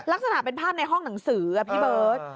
ลักษณะเป็นภาพในห้องหนังสือพี่เบิร์ต